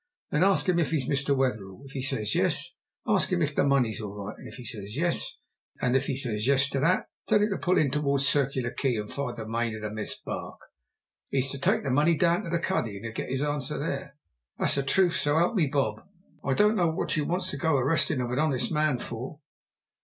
Then ask him if he's Mr. Wetherell. If he says "Yes," ask him if the money's all right? And if he says "Yes" to that, tell him to pull in towards Circular Quay and find the Maid of the Mist barque. He's to take his money down to the cuddy, and he'll get his answer there.' That's the truth so 'elp me bob! I don't know what you wants to go arrestin' of an honest man for."